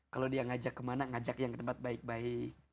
kalau dia ngajak kemana ngajak yang ke tempat baik baik